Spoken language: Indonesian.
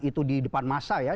itu di depan masa ya